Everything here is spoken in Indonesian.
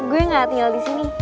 gue gak tinggal di sini